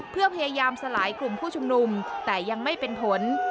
เพื่อพยายามสลายกลุ่มผู้ชุมนุมแต่ยังไม่เป็นผล